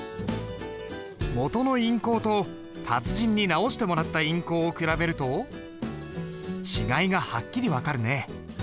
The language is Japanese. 元の印稿と達人に直してもらった印稿を比べると違いがはっきり分かるね。